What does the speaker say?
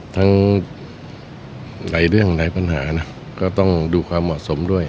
ทั้งหลายเรื่องหลายปัญหานะก็ต้องดูความเหมาะสมด้วย